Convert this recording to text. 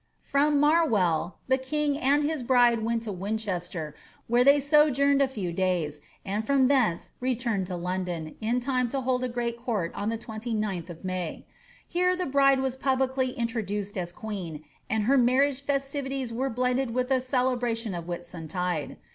^ From Marwell the king and his bride went to Winchester, where they sojourned a few days, and from thence returned to London, in time to hold a great court on the 29th of May. Here the bride was publicly introduced us queen, and her marriage festivities were blended with the celebration of Whitsuntide.